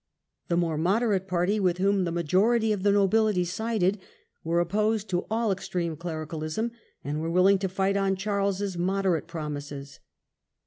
The more moderate party, with whom the majority of the nobility sided, were opposed to all extreme cleri calism, and were willing to fight on Charles's moderate promises.